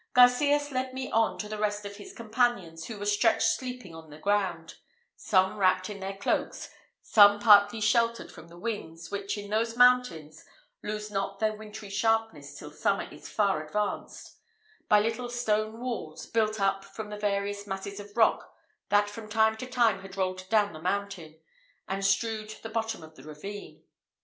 Garcias led me on to the rest of his companions, who were stretched sleeping on the ground; some wrapped in their cloaks, some partly sheltered from the winds, which in those mountains lose not their wintry sharpness till summer is far advanced, by little stone walls, built up from the various masses of rock that from time to time had rolled down the mountain, and strewed the bottom of the ravine.